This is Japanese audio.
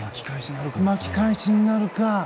巻き返しなるか。